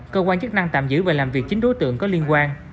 cơ quan chức năng tạm giữ và làm việc chín đối tượng có liên quan